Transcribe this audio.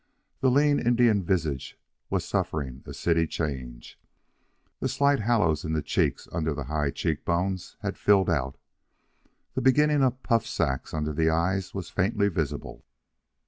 The lean Indian visage was suffering a city change. The slight hollows in the cheeks under the high cheek bones had filled out. The beginning of puff sacks under the eyes was faintly visible.